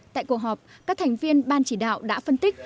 tại cuộc họp các thành viên ban chỉ đạo đã phân tích